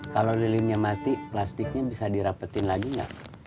kalau lilinnya mati plastiknya bisa dirapetin lagi nggak